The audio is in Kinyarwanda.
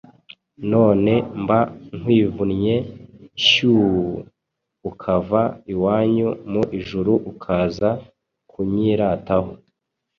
none mba nkwivunnye. Shyuu, ukava iwanyu mu ijuru ukaza kunyirataho!